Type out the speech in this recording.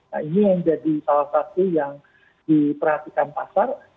nah ini yang jadi salah satu yang diperhatikan pasar